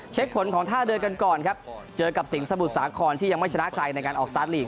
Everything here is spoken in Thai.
ผลของท่าเรือกันก่อนครับเจอกับสิงหมุทรสาครที่ยังไม่ชนะใครในการออกสตาร์ทลีก